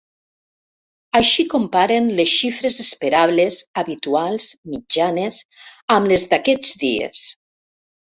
Així comparen les xifres esperables, habituals, mitjanes, amb les d’aquests dies.